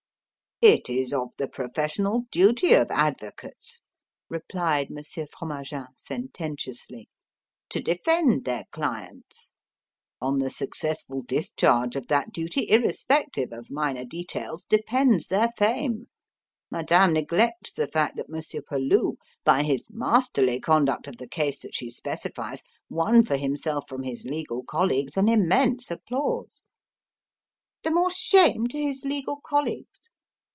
"It is of the professional duty of advocates," replied Monsieur Fromagin, sententiously, "to defend their clients; on the successful discharge of that duty irrespective of minor details depends their fame. Madame neglects the fact that Monsieur Peloux, by his masterly conduct of the case that she specifies, won for himself from his legal colleagues an immense applause." "The more shame to his legal colleagues!"